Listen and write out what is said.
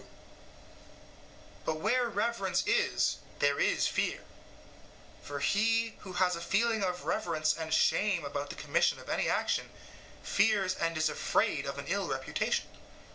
SOCRATES: But where reverence is, there is fear; for he who has a feeling of reverence and shame about the commission of any action, fears and is afraid of an ill reputation.